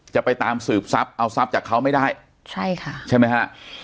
จะไปตามสืบทรัพย์เอาทรัพย์จากเขาไม่ได้ใช่ค่ะใช่ไหมฮะ